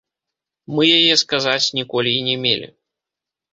Мы яе, сказаць, ніколі і не мелі.